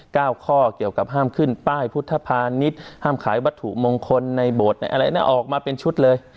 ข้อเกี่ยวกับห้ามขึ้นป้ายพุทธภานิษฐ์ห้ามขายวัตถุมงคลในโบสถ์ในอะไรนะออกมาเป็นชุดเลย